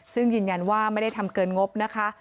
ซึ่งยืนยันว่าไม่ได้ทำเกินงบนะคะ